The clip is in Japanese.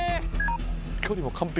距離も完璧。